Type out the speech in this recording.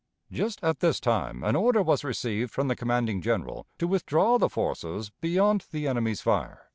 Just at this time an order was received from the commanding General to withdraw the forces beyond the enemy's fire."